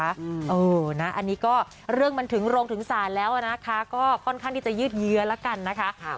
อันนี้ก็เรื่องมันถึงโรงถึงศาลแล้วนะคะก็ค่อนข้างที่จะยืดเยื้อแล้วกันนะคะ